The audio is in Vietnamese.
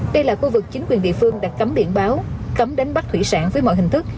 đây là khu vực chính quyền địa phương đặt cấm biển báo cấm đánh bắt thủy sản với mọi hình thức